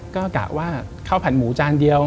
ก็กะว่าข้าวผัดหมูจานเดียว